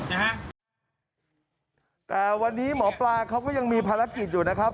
แต่วันนี้หมอปลาเขาก็ยังมีภารกิจอยู่นะครับ